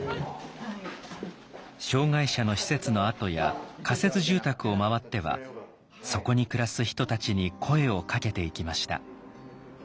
障害者の施設の跡や仮設住宅を回ってはそこに暮らす人たちに声をかけていきました。